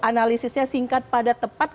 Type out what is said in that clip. analisisnya singkat pada tepat